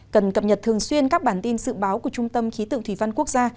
cần cập nhật thường xuyên các bản tin dự báo của trung tâm khí tượng thủy văn quốc gia